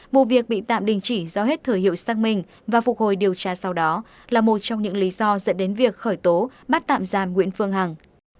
vụ việc bị tạm đình chỉ do hết thời hiệu xác minh và phục hồi điều tra sau đó là một trong những lý do dẫn đến việc khởi tố bắt tạm giam nguyễn phương hằng